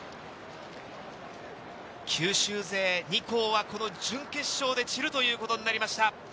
九州勢２校はこの準決勝で散るということになりました。